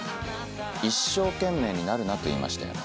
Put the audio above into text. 一生懸命になるなと言いましたよね。